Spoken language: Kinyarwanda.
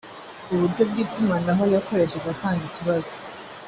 uburyo bw itumanaho yakoresheje atanga ikibazo